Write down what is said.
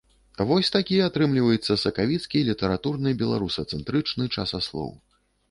Вось такі атрымліваецца сакавіцкі літаратурны беларусацэнтрычны часаслоў.